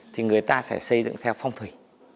thì người ta sẽ xây dựng theo phong thủy